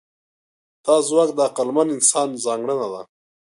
دا ځواک د عقلمن انسان ځانګړنه ده.